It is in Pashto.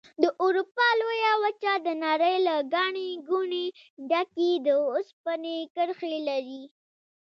د اروپا لویه وچه د نړۍ له ګڼې ګوڼې ډکې د اوسپنې کرښې لري.